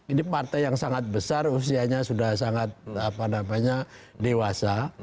ini partai yang sangat besar usianya sudah sangat dewasa